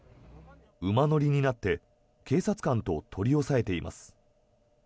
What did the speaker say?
馬乗りになって警察官と取り押さえています。